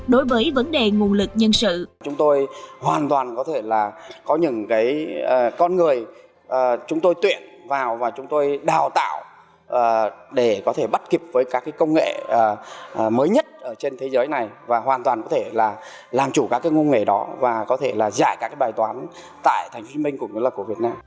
đối với vấn đề nguồn lực nhân sự